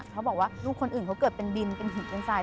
เขาบอกว่าลูกคนอื่นเขาเกิดเป็นดินเป็นหินเป็นทราย